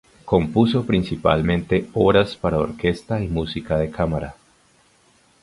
Compuso principalmente obras para orquesta y música de cámara.